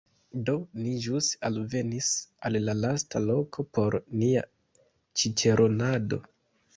Do, ni ĵus alvenis al la lasta loko por nia ĉiĉeronado